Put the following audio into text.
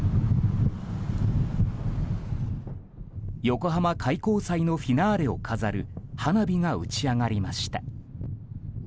横浜開港祭のフィナーレを飾る花火が打ち上がりました。